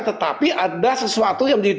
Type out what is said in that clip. tetapi ada sesuatu yang menjadi